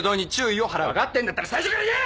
分かってんだったら最初から言え！